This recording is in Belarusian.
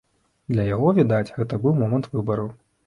Для яго, відаць, гэта быў момант выбару.